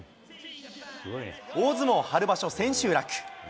大相撲春場所千秋楽。